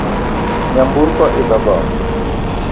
Nyamburko idho got